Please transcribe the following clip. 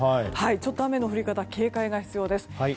ちょっと雨の降り方警戒が必要です。